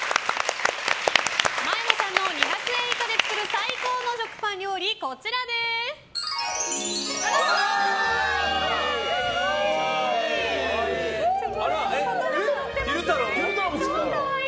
前野さんの２００円以下で作る最高の食パン料理は可愛い！